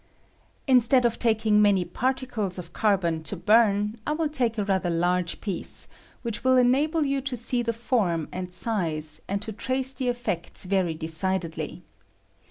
Instead of taking many particles of carbon to burn I will take a rather large piece, which will enable you to see the form and size, and to trace the effects very decidedly.